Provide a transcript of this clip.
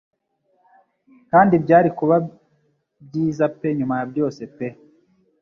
Kandi byari kuba byiza pe nyuma ya byose pe